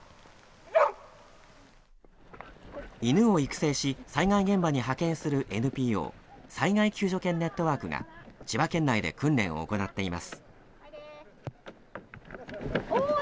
犬を育成し災害現場に派遣するＮＰＯ災害救助犬ネットワークが千葉県内で訓練を行っています。